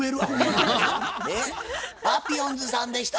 パピヨンズさんでした。